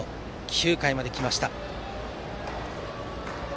９回まで来ました。